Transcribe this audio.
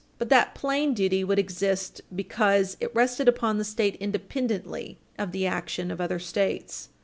But that plain duty would exist because it rested upon the State independently of the action of other States.